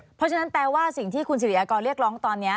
เพราะฉะนั้นแปลว่าสิ่งที่คุณสิริยากรเรียกร้องตอนนี้